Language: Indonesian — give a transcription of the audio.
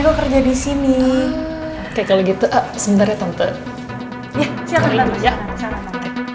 gue kerja di sini kayak gitu sebenarnya tante ya